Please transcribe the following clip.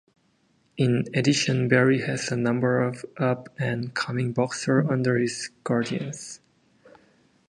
In addition Barry has a number of up and coming boxers under his guidance.